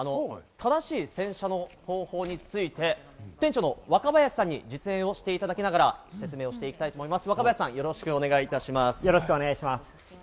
正しい洗車の方法について、店長の若林さんに実演をしていただきながら、説明をしていただきたい思います。